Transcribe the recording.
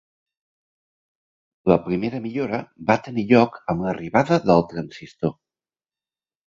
La primera millora va tenir lloc amb l'arribada del transistor.